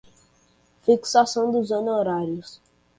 fixação dos honorários